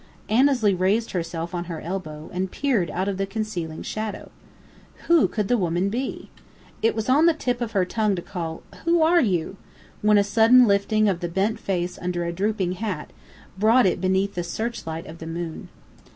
Annesley raised herself on her elbow, and peered out of the concealing shadow. Who could the woman be? It was on the tip of her tongue to call, "Who are you?" when a sudden lifting of the bent face under a drooping hat brought it beneath the searchlight of the moon.